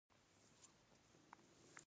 په موخه شوې چې سیمه کې